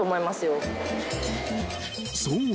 ［そう。